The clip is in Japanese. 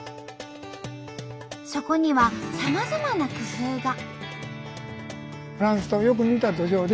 そこにはさまざまな工夫が。